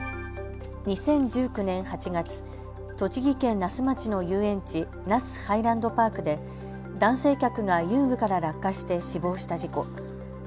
２０１９年８月、栃木県那須町の遊園地、那須ハイランドパークで男性客が遊具から落下して死亡した事故。